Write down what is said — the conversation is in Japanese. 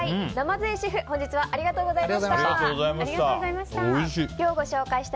鯰江シェフ本日はありがとうございました。